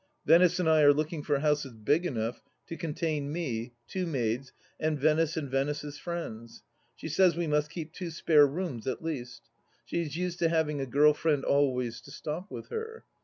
Venice and I are looking for houses big enough to contain me, two maids, and Venice and Venice's friends ! She says we must keep two spare rooms at least. She is used to having a girl friend always to stop with her.